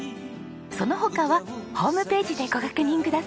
その他はホームページでご確認ください。